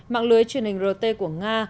mạng lưới truyền hình rt của nga